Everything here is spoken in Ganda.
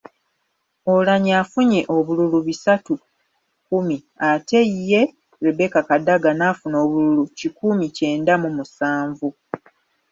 Oulanyah afunye obululu bisatu kkumi ate ye Rebecca Kadaga n’afuna obululu kikumi kyenda mu musanvu.